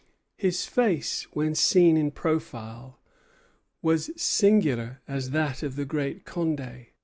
His face, when seen in profile, was singular as that of the Great Condé.